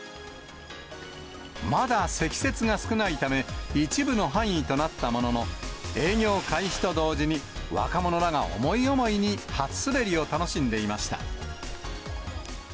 まだ積雪が少ないため、一部の範囲となったものの、営業開始と同時に、若者らが思い思いに初滑りを楽しんでいました。